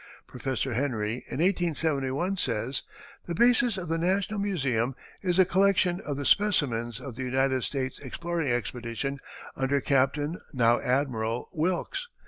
Professor Henry, in 1871, says: "The basis of the National Museum is a collection of the specimens of the United States Exploring Expedition under Captain, now Admiral, Wilkes....